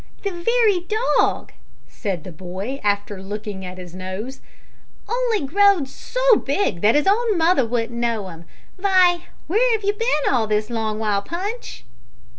"The wery dog," said the boy, after looking at his nose; "only growed so big that his own mother wouldn't know 'im. Vy, where 'ave you bin all this long while, Punch?"